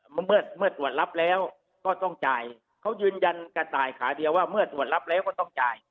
เมื่อตรวจรับแล้วก็ต้องจ่ายเขายืนยันกระต่ายขาเดียวว่าเมื่อตรวจรับแล้วก็ต้องจ่าย